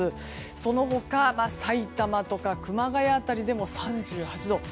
その他、さいたまとか熊谷辺りでも３８度。